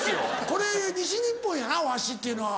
これ西日本やなわしって言うのは。